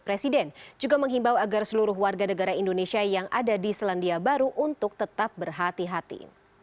presiden juga menghimbau agar seluruh warga negara indonesia yang ada di selandia baru untuk tetap berhati hati